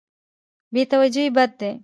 بې توجهي بد دی.